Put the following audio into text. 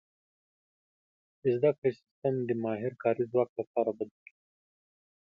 • د زده کړې سیستم د ماهر کاري ځواک لپاره بدل شو.